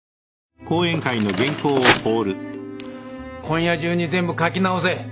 今夜中に全部書き直せ。